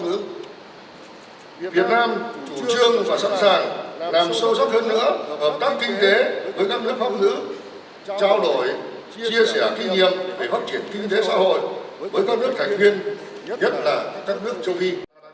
việt nam chủ trương phải sẵn sàng là làm sâu sắc hơn nữa hợp tác kinh tế với các nước phong ngữ trao đổi chia sẻ kinh nghiệm về phát triển kinh tế xã hội với các nước thành viên nhất là các nước châu phi